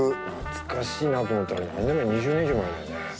懐かしいなと思ってあれ何年前２０年以上前だよね。